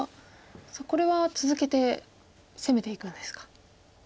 これは続けて攻めていくんですか。